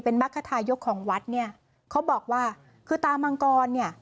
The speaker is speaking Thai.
มรรคทายกของวัดเนี่ยเขาบอกว่าคือตามังกรเนี่ย